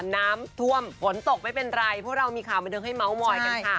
น้ำท่วมฝนตกไม่เป็นไรเพราะเรามีข่าวมาดึงให้เม้ามอยกันค่ะ